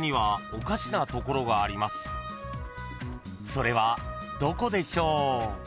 ［それはどこでしょう？］